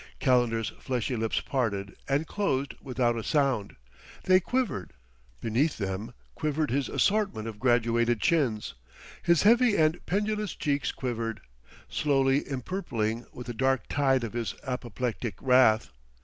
Calendar's fleshy lips parted and closed without a sound. They quivered. Beneath them quivered his assortment of graduated chins. His heavy and pendulous cheeks quivered, slowly empurpling with the dark tide of his apoplectic wrath.